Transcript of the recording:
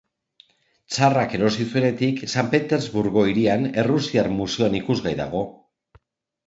Tsarrak erosi zuenetik San Petersburgo hirian Errusiar Museoan ikusgai dago.